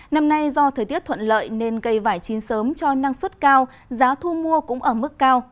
năm nay do thời tiết thuận lợi nên cây vải chín sớm cho năng suất cao giá thu mua cũng ở mức cao